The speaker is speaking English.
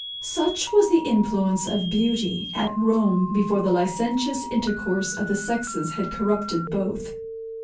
Such was the influence of beauty at Rome before the licentious intercourse of the sexes had corrupted both.